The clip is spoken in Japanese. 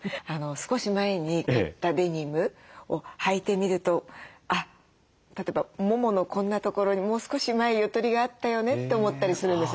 少し前に買ったデニムをはいてみると例えばもものこんなところにもう少し前ゆとりがあったよねって思ったりするんです。